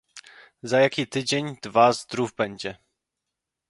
"Za jaki tydzień, dwa, zdrów będzie."